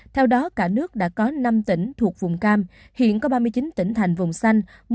theo đó cả nước đã có năm tỉnh thuộc vùng cam hiện có ba mươi chín tỉnh thành vùng xanh